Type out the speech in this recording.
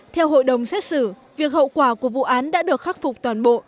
theo hội đồng xét xử việc hậu quả của vụ án đã được khắc phục toàn bộ